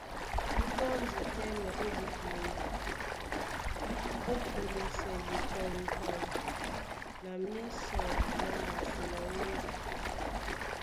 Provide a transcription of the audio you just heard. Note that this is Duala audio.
Mú tɔ́ndi tɛ́mɛ ó dikundu, ó púlisɛ ɓekɔ́ŋkɔ́ŋ na mísɔ má mbasi na wóndi.